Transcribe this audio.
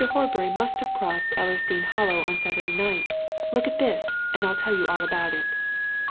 Horbury must have crossed Ellersdeane Hollow on Saturday night. Look at this! and I'll tell you all about it."